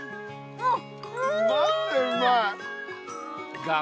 あっ！